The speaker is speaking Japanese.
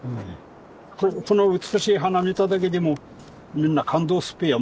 この美しい花見ただけでもみんな感動すっぺや。